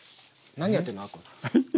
何やってんの。